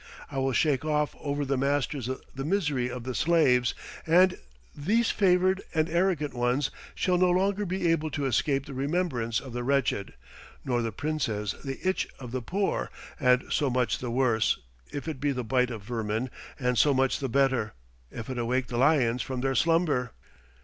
I will shake off over the masters the misery of the slaves; and these favoured and arrogant ones shall no longer be able to escape the remembrance of the wretched, nor the princes the itch of the poor; and so much the worse, if it be the bite of vermin; and so much the better, if it awake the lions from their slumber."